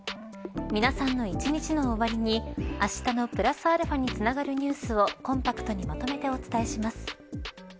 皆さんの一日の終わりにあしたのプラスαにつながるニュースをコンパクトにまとめてお伝えします。